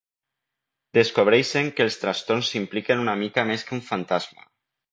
Descobreixen que els trastorns impliquen una mica més que un fantasma.